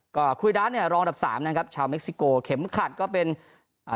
ก็คุยดาเนี่ยรองดับสามนะครับชาวเม็กซิโกเข็มขัดก็เป็นอ่า